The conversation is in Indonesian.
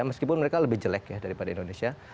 meskipun mereka lebih jelek ya daripada indonesia